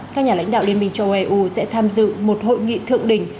các nhà lãnh đạo liên minh châu eu sẽ tham dự một hội nghị thượng đỉnh